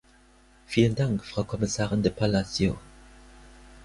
Vielen Dank, Frau Kommissarin de Palacio.